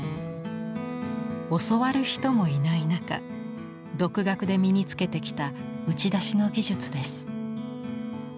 教わる人もいない中独学で身につけてきた打ち出しの技術です。